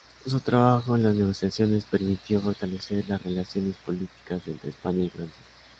Su trabajo en las negociaciones permitió fortalecer las relaciones políticas entre España y Francia.